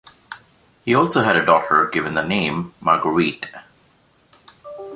He also had a daughter, given the name Marguerite.